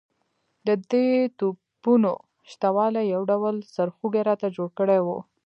د دې توپونو شته والی یو ډول سرخوږی راته جوړ کړی وو.